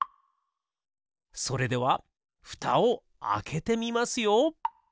それではふたをあけてみますよ！